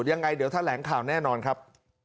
ยังไงเดี๋ยวแถลงข่าวแน่นอนครับ